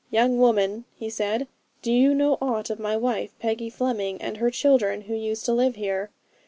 'Young woman,' he said, 'do you know aught of my wife, Peggy Fleming, and her children, who used to live here?